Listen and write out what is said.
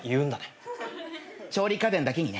調理家電だけにね。